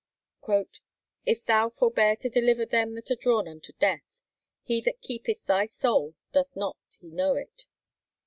"If THOU forbear to deliver them that are drawn unto DEATH ... He that keepeth THY SOUL doth not He know it!"